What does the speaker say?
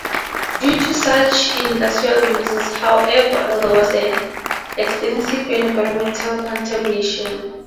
Due to such industrial uses, however, there was extensive environmental contamination.